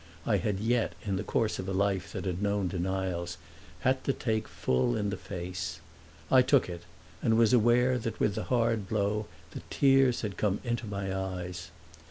I had yet, in the course of a life that had known denials, had to take full in the face. I took it and was aware that with the hard blow the tears had come into my eyes.